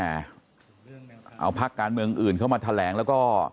เอาพักการเมืองอื่นเข้ามาแถลงแล้วก็